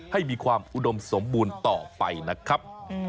ให้มีความอุดมสมบูรณ์ต่อไปนะครับ